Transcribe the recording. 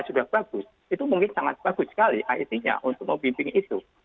sudah bagus itu mungkin sangat bagus sekali it nya untuk membimbing itu